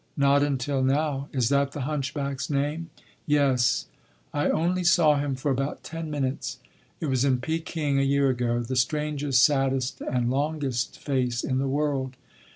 "Not until now. Is that the Hunchback’s name?" "Yes. I only saw him for about ten minutes. It was in Peking a year ago—the strangest, saddest and longest face in the world.